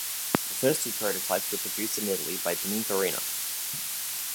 The first two prototypes were produced in Italy by Pininfarina.